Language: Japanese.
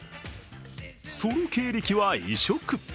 その経歴は異色。